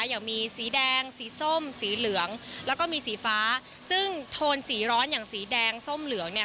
อย่างมีสีแดงสีส้มสีเหลืองแล้วก็มีสีฟ้าซึ่งโทนสีร้อนอย่างสีแดงส้มเหลืองเนี่ย